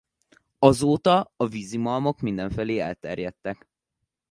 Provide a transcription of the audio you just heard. Azóta a vízimalmok mindenfelé elterjedtek.